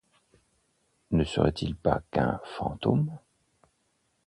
Ne serait-il pas qu'un fantôme?